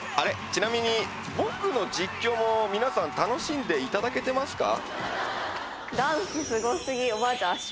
ちなみに僕の実況も皆さん楽しんでいただけてますか？